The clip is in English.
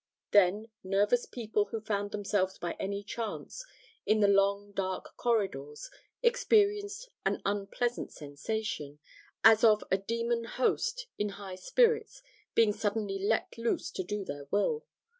Then nervous people who found themselves by any chance in the long dark corridors experienced an unpleasant sensation, as of a demon host in high spirits being suddenly let loose to do their will.